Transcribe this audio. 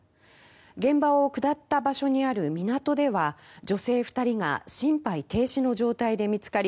現場を下った場所にある港では女性２人が心肺停止の状態で見つかり